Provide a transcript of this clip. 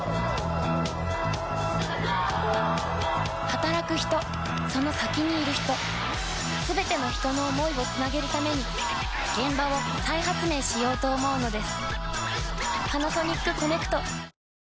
働く人その先にいる人すべての人の想いをつなげるために現場を再発明しようと思うのです。